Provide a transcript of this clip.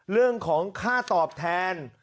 เรื่องของค่าตอบแทน